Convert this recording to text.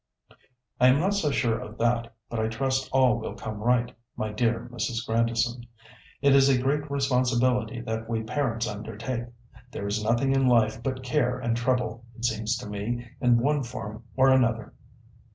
"I am not so sure of that, but I trust all will come right, my dear Mrs. Grandison. It is a great responsibility that we parents undertake. There is nothing in life but care and trouble, it seems to me, in one form or another.